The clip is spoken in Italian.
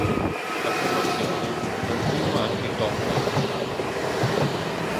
La formazione continua anche dopo la nascita.